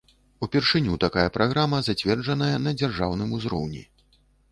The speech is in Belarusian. Упершыню такая праграма зацверджаная на дзяржаўным узроўні.